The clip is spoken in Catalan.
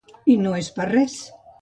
I no és per res.